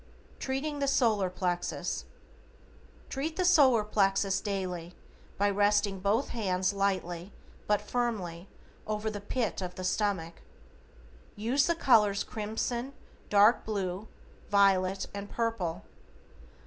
=TREATING THE SOLAR PLEXUS:= Treat the solar plexus daily by resting both hands lightly but firmly over the pit of the stomach. Use the colors crimson, dark blue, violet, and purple.